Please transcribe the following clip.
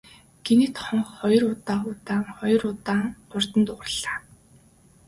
Гэнэт хонх хоёр удаа удаан, хоёр удаа хурдан дуугарлаа.